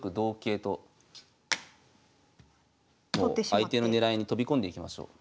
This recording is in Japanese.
相手の狙いに飛び込んでいきましょう。